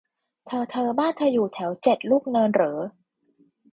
เธอเธอบ้านเธออยู่แถวเจ็ดลูกเนินเหรอ